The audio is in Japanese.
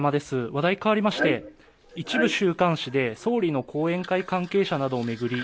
話題変わりまして一部週刊誌で総理の後援会関係者などを巡り